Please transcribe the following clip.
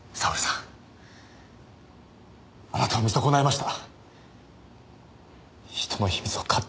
僕はあなたを見損ないました。